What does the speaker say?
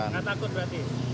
enggak takut berarti